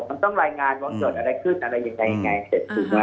มันต้องรายงานว่าเกิดอะไรขึ้นอะไรยังไงยังไงเสร็จถึงแล้ว